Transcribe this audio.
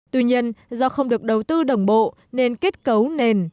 tuy nhiên do không được đầu tư đồng bộ nên kết cấu nền